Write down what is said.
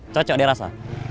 cocok deh rasa